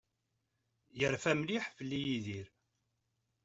Yerfa mliḥ fell-i Yidir.